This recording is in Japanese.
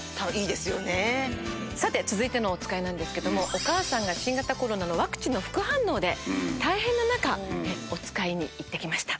さて続いてのおつかいなんですけどもお母さんが新型コロナのワクチンの副反応で大変な中おつかいに行って来ました。